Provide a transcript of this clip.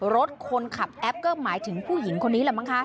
รถคนขับแอปก็หมายถึงผู้หญิงคนนี้แหละมั้งคะ